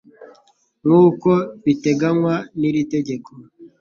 nk uko biteganywa n iri tegeko